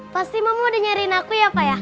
pasti mama udah nyariin aku ya pak ya